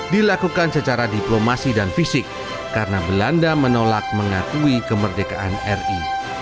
dilakukan secara diplomasi dan fisik karena belanda menolak mengakui kemerdekaan ri